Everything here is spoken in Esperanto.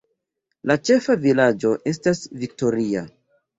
La ĉefa vilaĝo estas Victoria.